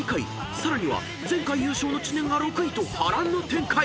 ［さらには前回優勝の知念が６位と波乱の展開］